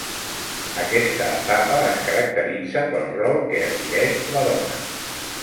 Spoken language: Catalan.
Aquesta etapa es caracteritza pel rol que adquireix la dona.